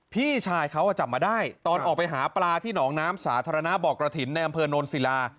พี่ชายเขาจับมาได้ตอนออกไปหาปลาที่หนองน้ำสาธารณะบ่อกระถิ่นในอำเภอโนนศิลา